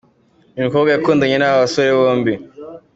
Uyu mukobwa yakundanye n'aba basore bombi.